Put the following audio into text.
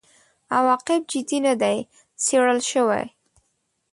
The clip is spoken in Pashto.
عواقب جدي نه دي څېړل شوي.